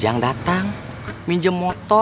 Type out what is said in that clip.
yang bisa mungkin yakni dia